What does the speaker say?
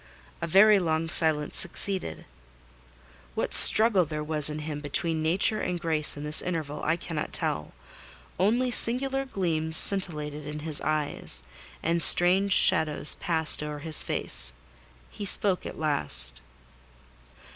A very long silence succeeded. What struggle there was in him between Nature and Grace in this interval, I cannot tell: only singular gleams scintillated in his eyes, and strange shadows passed over his face. He spoke at last.